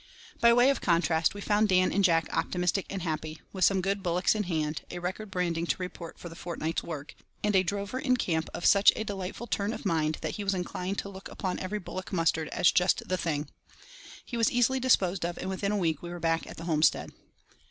By way of contrast, we found Dan and Jack optimistic and happy, with some good bullocks in hand, a record branding to report for the fortnight's work, and a drover in camp of such a delightful turn of mind that he was inclined to look upon every bullock mustered as "just the thing." He was easily disposed of, and within a week we were back at the homestead.